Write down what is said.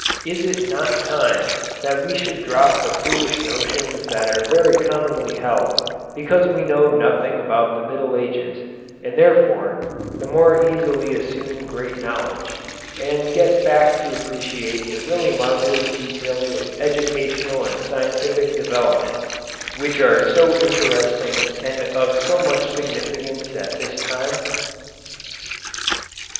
Is it not time that we should drop the foolish notions that are very commonly held because we know nothing about the Middle Ages and, therefore, the more easily assume great knowledge and get back to appreciate the really marvellous details of educational and scientific development which are so interesting and of so much significance at this time?